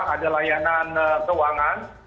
dua ada layanan keuangan